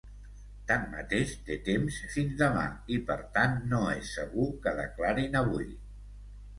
Tanmateix, té temps fins demà i per tant, no és segur que declarin avui.